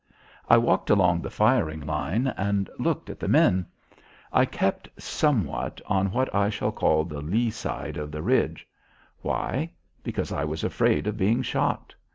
I walked along the firing line and looked at the men. I kept somewhat on what I shall call the lee side of the ridge. Why? Because I was afraid of being shot.